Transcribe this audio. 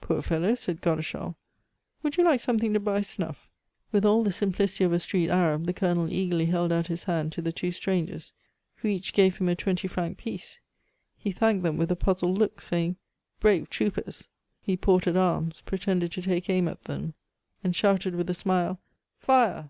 "Poor fellow!" said Godeschal. "Would you like something to buy snuff?" With all the simplicity of a street Arab, the Colonel eagerly held out his hand to the two strangers, who each gave him a twenty franc piece; he thanked them with a puzzled look, saying: "Brave troopers!" He ported arms, pretended to take aim at them, and shouted with a smile: "Fire!